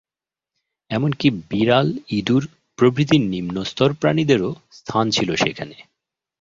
এমন কি বিড়াল ইঁদুর প্রভৃতি নিম্নতর প্রাণীদেরও স্থান ছিল সেখানে।